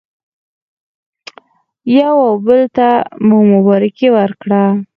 یو او بل ته مو مبارکي ورکړه.